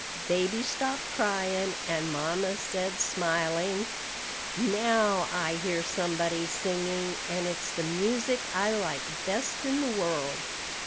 Baby stopped crying, and mamma said, smiling: "Now I hear somebody singing, and it's the music I like best in the world."